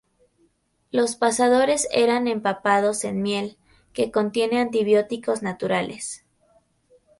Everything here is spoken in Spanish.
Los pasadores eran empapados en miel, que contiene antibióticos naturales.